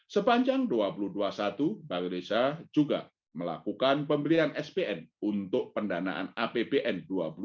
sepanjang dua ribu dua puluh satu bank indonesia juga melakukan pembelian spn untuk pendanaan apbn dua ribu dua puluh